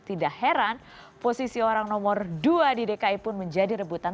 tidak heran posisi orang nomor dua di dki pun menjadi rebutan